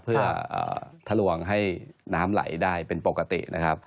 เพื่อทะลวงให้น้ำไหลได้เป็นปกตินะครับ